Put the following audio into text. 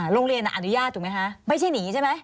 โรงเรียนอะอนุญาตถูกไหมคะไม่ใช่หนีใช่ไหม